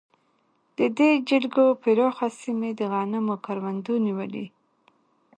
د دې جلګو پراخه سیمې د غنمو کروندو نیولې.